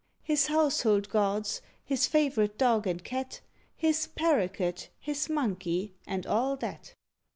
] His household gods, his favourite dog and cat, His parroquet, his monkey, and all that.